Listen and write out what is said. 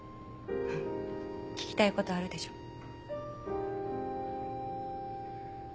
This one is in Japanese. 聞きたいことあるでしょ？